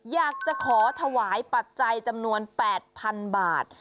อยากจะขอถวายปัจจัยจำนวน๘๐๐๐บาท